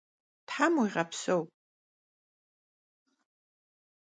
Them vuiğepseu!